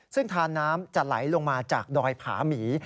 ซึ่งทานน้ำจะไหลลงมาจากดอยผาหมี